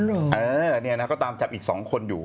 แล้อนี่ก็ตามจับอีก๒คนอยู่